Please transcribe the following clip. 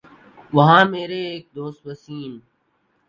وہاں میرے ایک دوست وسیم